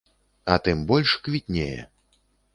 А тым больш, квітнее.